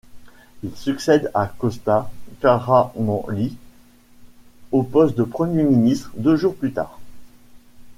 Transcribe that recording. Il succède à Kóstas Karamanlís au poste de Premier ministre deux jours plus tard.